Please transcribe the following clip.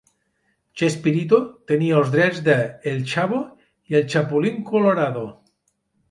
Chespirito tenia els drets de "El Chavo" i "El Chapulín Colorado".